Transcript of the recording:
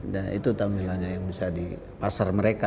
dan itu tanggung jawabnya yang bisa di pasar mereka